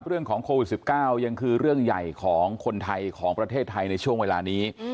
เรื่องของโควิด๑๙ยังคือเรื่องใหญ่ของคนไทยของประเทศไทยในช่วงเวลานี้